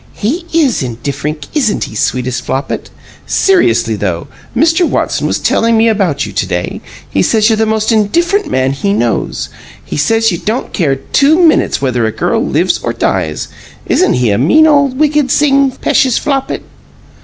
"He IS indifferink, isn't he, sweetest Flopit? Seriously, though, Mr. Watson was telling me about you to day. He says you're the most indifferent man he knows. He says you don't care two minutes whether a girl lives or dies. Isn't he a mean ole wicked sing, p'eshus Flopit!"